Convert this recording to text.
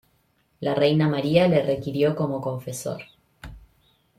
La reina María le requirió como confesor.